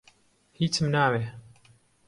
هیچم ناوێ.